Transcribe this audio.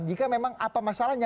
jika memang apa masalahnya